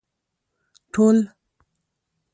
ټول